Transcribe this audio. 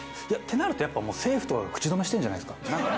いやってなるとやっぱもう政府とかが口止めしてるんじゃないですか？